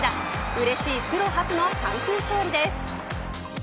うれしいプロ初の完封勝利です。